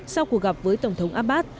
sau cuộc gặp với tổng thống abbas